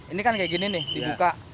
ini kan kayak gini nih dibuka